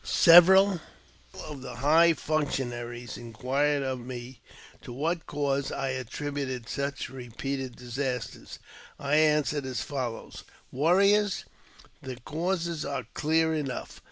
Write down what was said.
Several of the high functionaries inquired of me to what cause I attributed such repeated disasters. I answered as follows : ''Warriors ! the causes are clear enough.